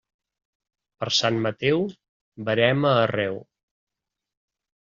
Per Sant Mateu, verema arreu.